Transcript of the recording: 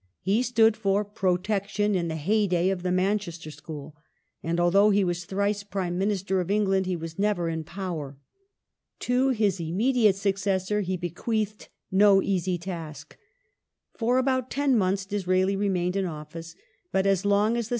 He stood for " Protection " in the heyday of the Manchester School, and although he was thrice Prime Minister of England he was never in power. To his immediate successor he bequeathed no easy task. For Disraeli's about ten months Disraeli remained in office : but as lonff as the ^^f^.